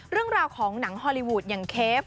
เรื่องราวของหนังฮอลลีวูดอย่างเคฟ